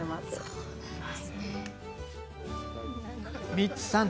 ミッツさん